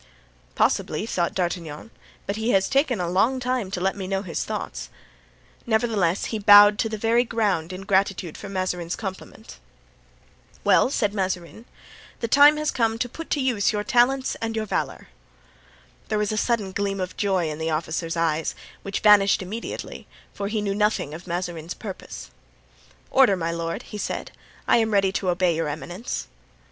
"Possibly," thought D'Artagnan, "but he has taken a long time to let me know his thoughts;" nevertheless, he bowed to the very ground in gratitude for Mazarin's compliment. "Well," continued Mazarin, "the time has come to put to use your talents and your valor." There was a sudden gleam of joy in the officer's eyes, which vanished immediately, for he knew nothing of Mazarin's purpose. "Order, my lord," he said; "I am ready to obey your eminence."